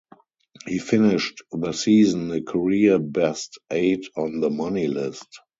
He finished the season a career-best eighth on the money list.